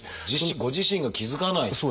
ご自身が気付かないっていう。